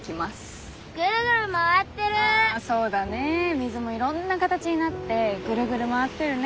水もいろんな形になってぐるぐる回ってるね。